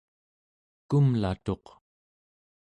kumlatuq